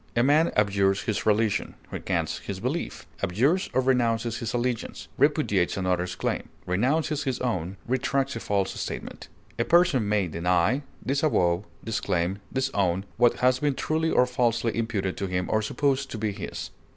A man abjures his religion, recants his belief, abjures or renounces his allegiance, repudiates another's claim, renounces his own, retracts a false statement. A person may deny, disavow, disclaim, disown what has been truly or falsely imputed to him or supposed to be his.